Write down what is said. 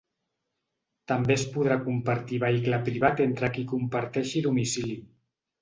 També es podrà compartir vehicle privat entre qui comparteixi domicili.